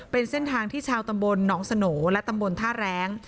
เป็นเส้นทางที่ชาวตำบลหนองสโหน่และตำบลท่าแรง